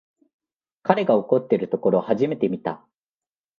彼が怒ってるところ初めて見た